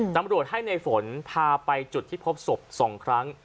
ตำรวจให้ในฝนพาไปจุดที่พบศพ๒ครั้ง